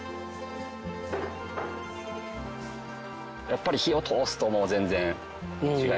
やっぱり火を通すともう全然違います。